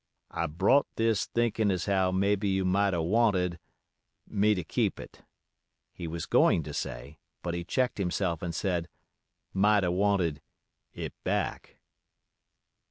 "I brought this thinking as how maybe you might 'a' wanted—me to keep it," he was going to say; but he checked himself and said: "might 'a' wanted it back."